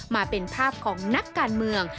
มาเป็นภาพของนักการเมือง